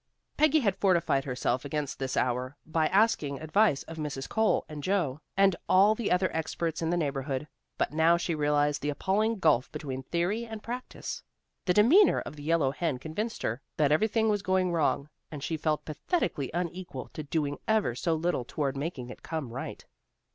Peggy had fortified herself against this hour by asking advice of Mrs. Cole and Joe, and all the other experts in the neighborhood, but now she realized the appalling gulf between theory and practise. The demeanor of the yellow hen convinced her that everything was going wrong, and she felt pathetically unequal to doing ever so little toward making it come right.